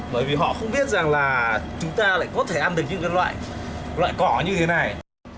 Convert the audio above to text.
bởi vì họ không biết rằng là chúng ta lại có thể ăn được những loại loại cỏ như thế này